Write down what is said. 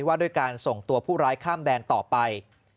ว่าด้วยการส่งตัวผู้ร้ายข้ามแดนต่อไป